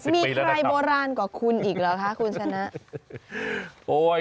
มีใครโบราณกว่าคุณอีกเหรอคะคุณชนะ